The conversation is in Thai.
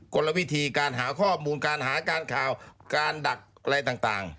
กลวิธีการหาข้อมูลการหาการข่าวการดักอะไรต่าง